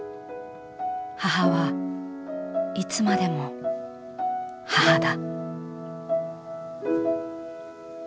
母はいつまでも母だ」。